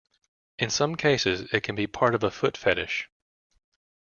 In some cases it can be part of a foot fetish.